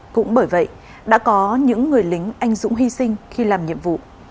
cũng bởi vậy đã có những người lính anh dũng hy sinh khi làm nhiệm vụ